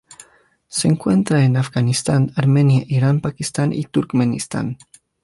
Se encuentra en Afganistán, Armenia, Irán, Pakistán y Turkmenistán.